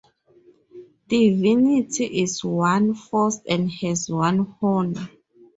Divinity is one force and has one honor.